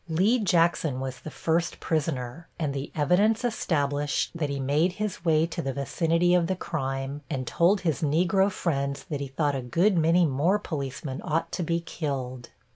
Lee Jackson was the first prisoner, and the evidence established that he made his way to the vicinity of the crime and told his Negro friends that he thought a good many more policemen ought to be killed.